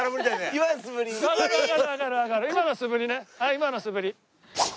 今のは素振りね。